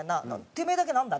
てめえだけなんだ？